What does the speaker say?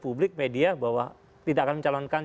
publik media bahwa tidak akan mencalonkan